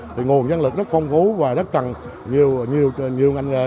thì nguồn nhân lực rất phong phú và rất cần nhiều nhiều ngành nghề